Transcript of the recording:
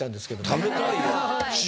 食べたいよ！